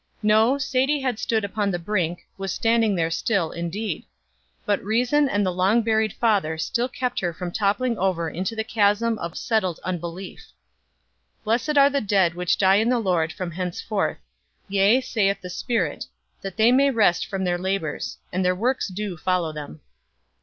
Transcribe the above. No, Sadie had stood upon the brink, was standing there still, indeed; but reason and the long buried father still kept her from toppling over into the chasm of settled unbelief. "Blessed are the dead which die in the Lord from henceforth: Yea, saith the Spirit, that they may rest from their labors; and their works do follow them."